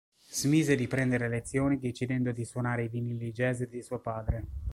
Smise di prendere lezioni decidendo di suonare i vinili jazz di suo padre.